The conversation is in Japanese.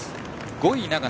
５位に長野。